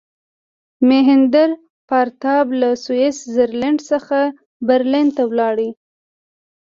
میهندراپراتاپ له سویس زرلینډ څخه برلین ته ولاړ.